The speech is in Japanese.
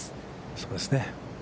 そうですね。